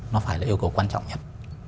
nó phải là yêu cầu quan trọng nhất